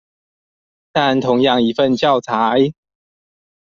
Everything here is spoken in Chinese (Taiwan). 但同樣一份教材